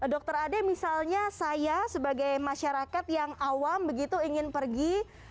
dr ade misalnya saya sebagai masyarakat yang awam begitu ingin pergi